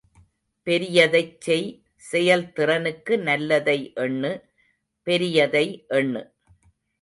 பெரியதைச் செய் செயல்திறனுக்கு நல்லதை எண்ணு, பெரியதை எண்ணு.